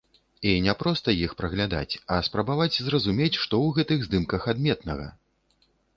І не проста іх праглядаць, а спрабаваць зразумець, што ў гэтых здымках адметнага.